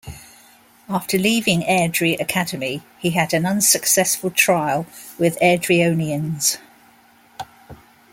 After leaving Airdrie Academy he had an unsuccessful trial with Airdrieonians.